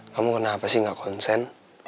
kamu kenapa sih gak konsen